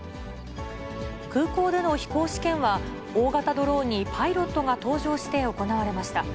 空港での飛行試験は、大型ドローンにパイロットが搭乗して行われました。